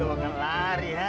gak akan lari hah